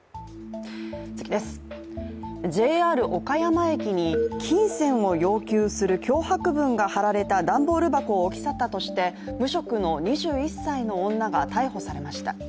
ＪＲ岡山駅に金銭を要求する脅迫文が貼られた段ボール箱を置き去ったとして無職の２１歳の女が逮捕されました。